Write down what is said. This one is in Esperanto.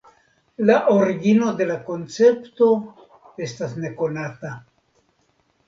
La origino de la koncepto estas nekonata.